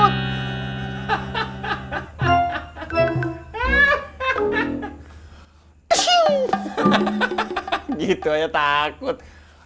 hahaha gitu aja takut